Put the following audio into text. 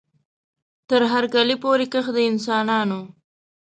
تر هر کلي پوري کښ د انسانانو